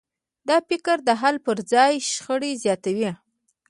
دا فکر د حل پر ځای شخړې زیاتوي.